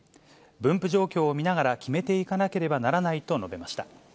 分布状況を見ながら決めていかなければならないと述べました。